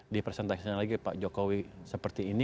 di presentasinya lagi pak jokowi seperti ini